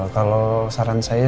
kalau saran saya